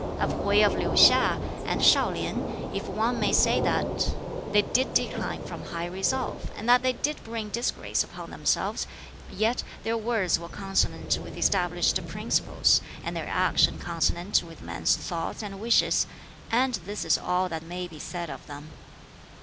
"Of Hwķi of Liu hiŠ and ShŠu lien, if one may say that they did decline from high resolve, and that they did bring disgrace upon themselves, yet their words were consonant with established principles, and their action consonant with men's thoughts and wishes; and this is all that may be said of them.